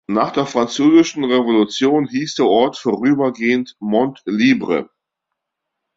Nach der Französischen Revolution hieß der Ort vorübergehend "Mont-Libre".